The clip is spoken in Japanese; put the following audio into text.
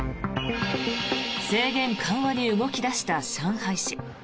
制限緩和に動き出した上海市。